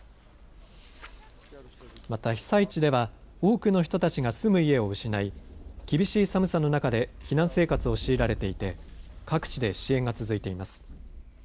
また被災地では多くの人たちが住む家を失い厳しい寒さの中で避難生活を強いられていて各地で支援が続いています。